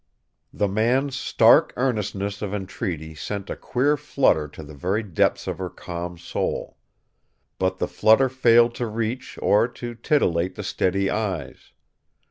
The man's stark earnestness of entreaty sent a queer flutter to the very depths of her calm soul. But the flutter failed to reach or to titillate the steady eyes.